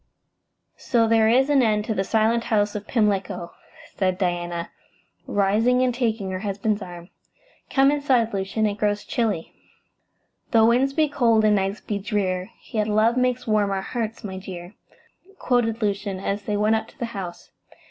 "So there is an end to the Silent House of Pimlico," said Diana, rising and taking her husband's arm. "Come inside, Lucian. It grows chilly." "'Tho' winds be cold and nights be drear, Yet love makes warm our hearts, my dear,'" quoted Lucian, as they went up to the house.